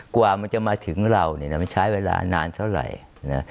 กว่ามันจะมาถึงเรามันใช้เวลานานเท่าไหร่นะ